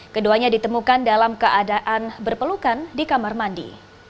keduanya ditemukan dalam keadaan berpelukan di kamar mandi